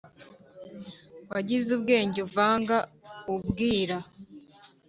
wagize ubwenge uvanga ubwira